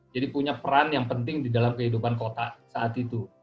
jadi punya peran yang penting di dalam kehidupan kota saat itu